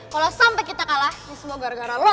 kalo sampe kita kalah ini semua gara gara lo